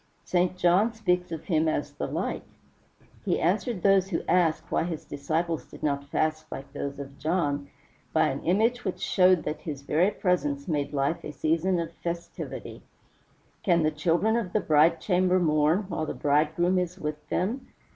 St. John speaks of him as "LIGHT." He answered those who asked why his disciples did not fast like those of John, by an image which showed that his very presence made life a season of festivity: "Can the children of the bride chamber mourn while the bridegroom is with them?"